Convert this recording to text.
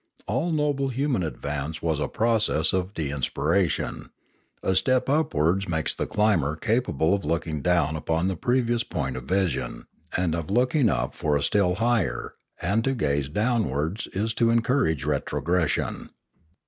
All noble human advance was a process of de inspiration; a step upwards makes the climber capable of looking down upon the previous point of vision, and of looking up for a still higher, and to gaze downwards is to encourage retrogression.